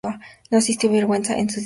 No sintió vergüenza en su traición.